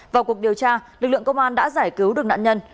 vào cuộc điều tra lực lượng công an đã giải cứu được nạn nhân